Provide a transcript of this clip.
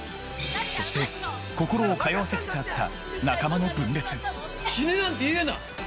そして心を通わせつつあった仲間の分裂死ねなんて言うな！